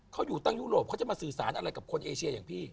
เขาอยู่ตั้งยุโรปเขาจะมาสื่อสารอะไรกับคนเอเชียอย่างพี่